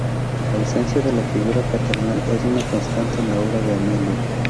La ausencia de la figura paternal es una constante en la obra de Amelio.